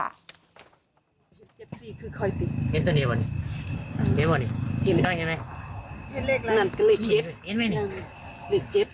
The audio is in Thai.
นั่นก็เหล็กเจ็บ